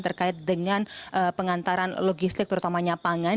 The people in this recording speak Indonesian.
terkait dengan pengantaran logistik terutamanya pangan